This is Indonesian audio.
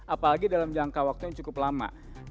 apalagi dalam jangka waktunya cukup lama